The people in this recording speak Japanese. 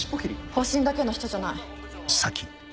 保身だけの人じゃない。